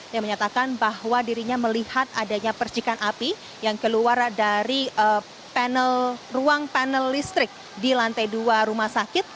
yang menyatakan bahwa dirinya melihat adanya percikan api yang keluar dari ruang panel listrik di lantai dua rumah sakit